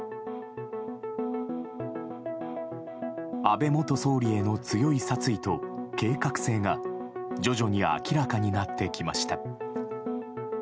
安倍元総理への強い殺意と計画性が徐々に明らかになってきました。